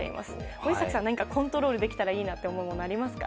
森崎さん、何かコントロールできたらいいなと思うものはありますか？